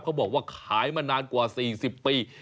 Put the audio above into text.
เขาบอกว่าขายมานานกว่า๔๐ปี